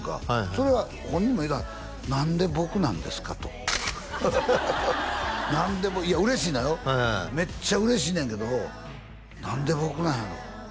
それは本人も言うてはった「何で僕なんですか？」と何でいや嬉しいのよめっちゃ嬉しいねんけど「何で僕なんやろ？」